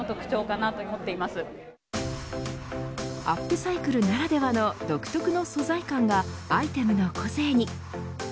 アップサイクルならではの独特の素材感がアイテムの個性に。